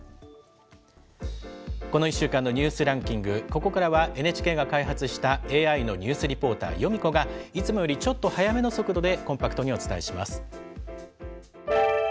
この１週間のニュースランキング、ここからはＮＨＫが開発したＡＩのニュースリポーター、ヨミ子が、いつもよりちょっと速めの速度でコンパクトにお伝えします。